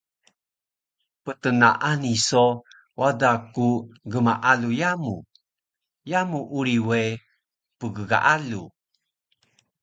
Ptnaani so wada ku gmaalu yamu, yamu uri we pggaalu